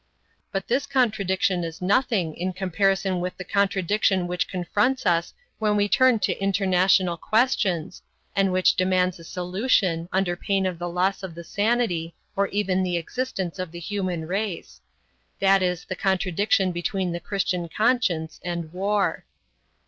But this contradiction is nothing in comparison with the contradiction which confronts us when we turn to international questions, and which demands a solution, under pain of the loss of the sanity and even the existence of the human race. That is the contradiction between the Christian conscience and war.